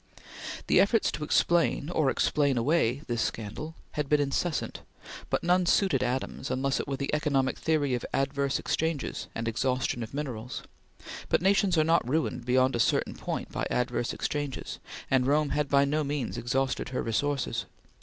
The efforts to explain, or explain away, this scandal had been incessant, but none suited Adams unless it were the economic theory of adverse exchanges and exhaustion of minerals; but nations are not ruined beyond a certain point by adverse exchanges, and Rome had by no means exhausted her resources.